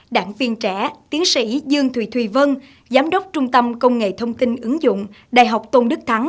đảng viên trẻ tiến sĩ dương thùy thùy vân giám đốc trung tâm công nghệ thông tin ứng dụng đại học tôn đức thắng